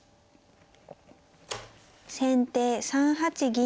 先手３八銀。